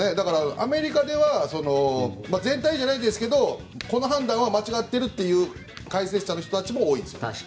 アメリカでは全体じゃないですがこの判断は間違ってるという解説者の人たちも多いんです。